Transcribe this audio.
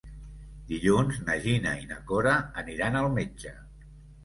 Dilluns na Gina i na Cora aniran al metge.